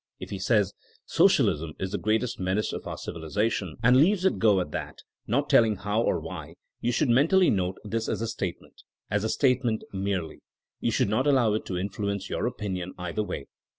If he says, ^' Socialism is the greatest menace of our civili zation, '* and leaves it go at that, not telling how or why, you should mentally note this as a state ment, as a statement merely; you should not allow it to influence your opinion either way.